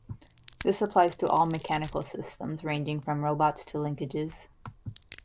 This applies to all mechanical systems ranging from robots to linkages.